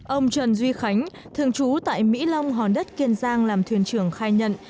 ông trần duy khánh thường trú tại mỹ long hòn đất kiên giang làm thuyền trưởng khai nhận